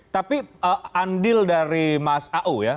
tapi andil dari mas au ya